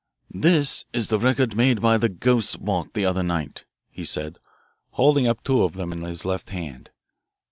"This is the record made by the 'ghost's' walk the other night," he said, holding up two of them in his left hand.